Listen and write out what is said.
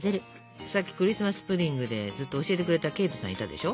さっきクリスマス・プディングでずっと教えてくれたケイトさんいたでしょ。